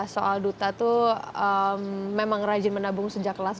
soal duta itu memang rajin menabung sejak kelas